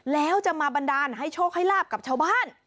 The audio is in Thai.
แล้วจะมาบันดาลให้โชคให้ลาบกับชาวบ้าน